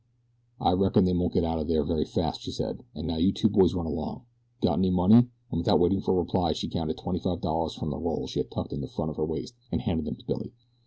"I reckon they won't get out of there very fast," she said. "And now you two boys run along. Got any money?" and without waiting for a reply she counted twenty five dollars from the roll she had tucked in the front of her waist and handed them to Billy.